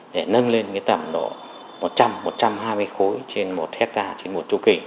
để nâng lên tầm độ một trăm linh một trăm hai mươi khối trên một ha trên một châu kỷ